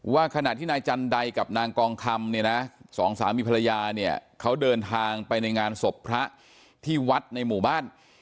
ขณะที่นายจันไดกับนางกองคำเนี่ยนะสองสามีภรรยาเนี่ยเขาเดินทางไปในงานศพพระที่วัดในหมู่บ้าน